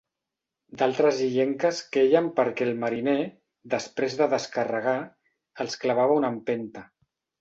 D'altres illenques queien perquè el mariner, després de descarregar, els clavava una empenta.